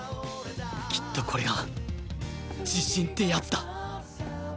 きっとこれが自信ってやつだ！